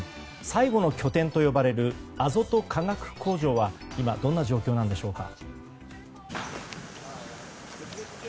最後の拠点と呼ばれるアゾト化学工場は今、どんな状況なのでしょうか。